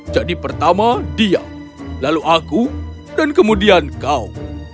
jadi pertama dia lalu aku dan kemudian kau